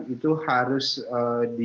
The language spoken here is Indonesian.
itu harus dijalankan